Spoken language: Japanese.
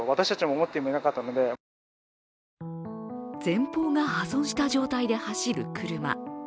前方が破損した状態で走る車。